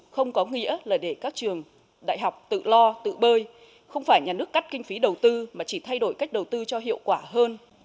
không có nghĩa là để các trường đại học tự lo tự bơi không phải nhà nước cắt kinh phí đầu tư mà chỉ thay đổi cách đầu tư cho hiệu quả hơn